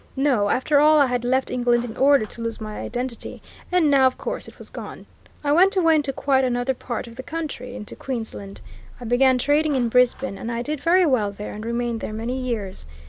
No after all, I had left England in order to lose my identity, and now, of course, it was gone. I went away into quite another part of the country into Queensland. I began trading in Brisbane, and I did very well there, and remained there many years.